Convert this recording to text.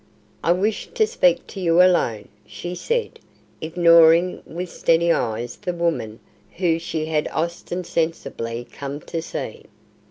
"I wish to speak to you alone," she said, ignoring with steady eyes the woman whom she had ostensibly come to see.